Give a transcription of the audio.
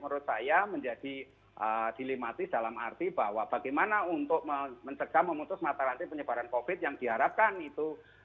jadi itu menjadi dilematis dalam arti bahwa bagaimana untuk mencegah memutus mata rantai penyebaran covid yang diharapkan itu